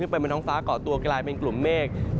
ไปบนท้องฟ้าก่อตัวกลายเป็นกลุ่มเมฆ